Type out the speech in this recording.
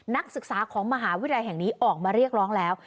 นักศึกษาของมหาวิทยาลัยแห่งนี้ออกมาเรียกร้องแล้ว